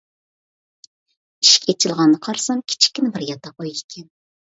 ئىشىك ئېچىلغاندا قارىسام، كىچىككىنە بىر ياتاق ئۆي ئىكەن.